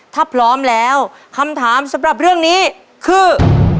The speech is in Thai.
ถ้าพร้อมแล้วคำถามสำหรับเรื่องนี้คือ